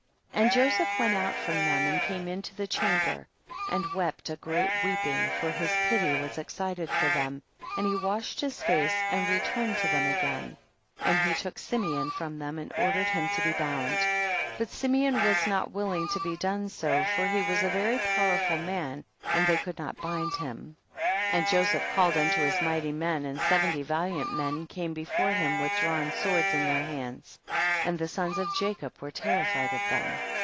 37. And Joseph went out from them and came into the chamber, and wept a great weeping, for his pity was excited for them, and he washed his face, and returned to them again, and he took Simeon from them and ordered him to be bound, but Simeon was not willing to be done so, for he was a very powerful man and they could not bind him. 38. And Joseph called unto his mighty men and seventy valiant men came before him with drawn swords in their hands, and the sons of Jacob were terrified at them.